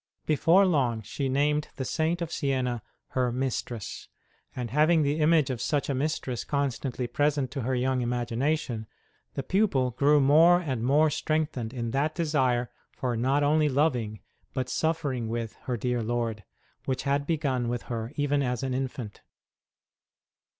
Before long she 5 ST. ROSE OF LIMA named the Saint of Siena her mistress ; and, having the image of such a mistress constantly present to her young imagination, the pupil grew more and more strengthened in that desire for not only loving, but suffering with, her dear Lord, which had begun with her even as an infant.